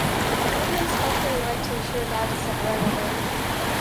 Governments often like to ensure data sovereignty.